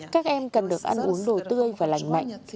các em cần được ăn uống đồ tươi và lành mạnh